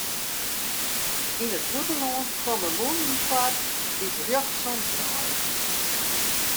Yn it bûtenlân komme mûnen foar dy't rjochtsom draaie.